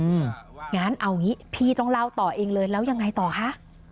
งั้นเอางี้พี่ต้องเล่าต่อเองเลยแล้วยังไงต่อคะ